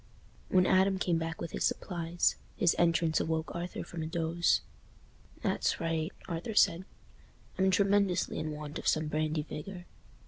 When Adam came back with his supplies, his entrance awoke Arthur from a doze. "That's right," Arthur said; "I'm tremendously in want of some brandy vigour."